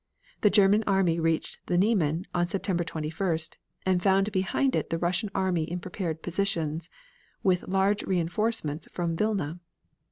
The German army reached the Niemen on September 21st, and found behind it the Russian army in prepared positions, with large reinforcements from Vilna.